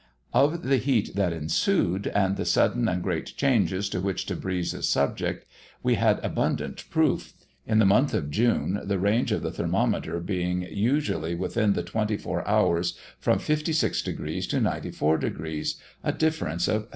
Of the heat that ensued, and the sudden and great changes to which Tebreez is subject, we had abundant proof; in the month of June, the range of the thermometer being usually, within the twenty four hours, from 56° to 94°, a difference of 38°.